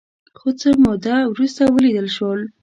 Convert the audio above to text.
خو څه موده وروسته ولیدل شول